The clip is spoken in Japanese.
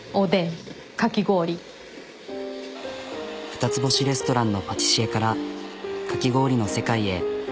二つ星レストランのパティシエからかき氷の世界へ。